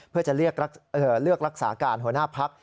เพื่อจะเลือกรักษาการหัวหน้าพัก